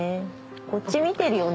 こっち見てるよね